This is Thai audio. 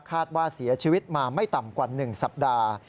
คาดว่าเสียชีวิตมาไม่ต่ำกว่า๑สัปดาห์